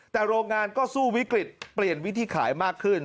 แต่โรงงานก็สู้วิกฤตเปลี่ยนวิธีขายมากขึ้น